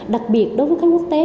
đặc biệt đối với khách quốc tế